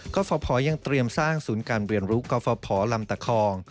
ก็ฟพยังเตรียมสร้างศูนย์การเรียนรู้กรฟภลำตะคอง